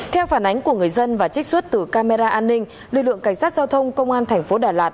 theo phản ánh của người dân và trích xuất từ camera an ninh lực lượng cảnh sát giao thông công an thành phố đà lạt